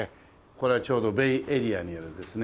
これはちょうどベイエリアにあるですね